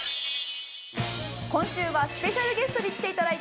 今週はスペシャルゲストに来て頂いています。